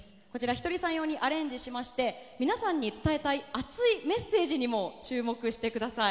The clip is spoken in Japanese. ひとりさん用にアレンジしまして皆さんに伝えたい熱いメッセージにも注目してください。